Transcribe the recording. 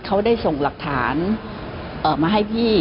เขาได้ส่งหลักฐานมาให้พี่